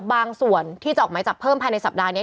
ส่วนที่จะออกหมายจับเพิ่มภายในสัปดาห์นี้